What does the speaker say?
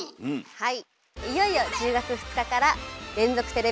はい。